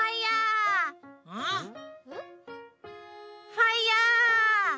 ファイヤー！